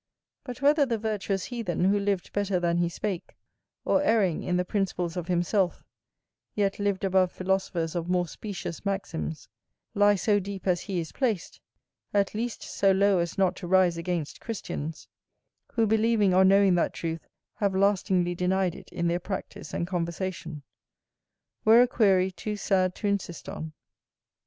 But whether the virtuous heathen, who lived better than he spake, or erring in the principles of himself, yet lived above philosophers of more specious maxims, lie so deep as he is placed, at least so low as not to rise against Christians, who believing or knowing that truth, have lastingly denied it in their practice and conversation were a query too sad to insist on.